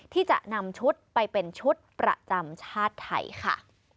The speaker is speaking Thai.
ที่จะนำชุดไปเป็นชุดประจำชาติไทยค่ะ